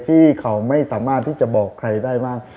ที่เขาไม่สามารถที่จะบอกใครได้มาก